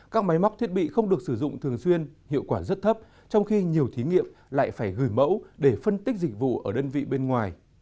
các máy móc thiết bị không được sử dụng thường xuyên hiệu quả rất thấp trong khi nhiều thí nghiệm lại phải gửi mẫu để phân tích dịch vụ ở đơn vị bên ngoài